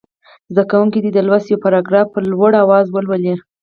زده کوونکي دې د لوست یو یو پاراګراف په لوړ اواز ولولي.